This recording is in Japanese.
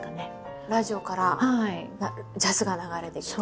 ラジオからジャズが流れてきて。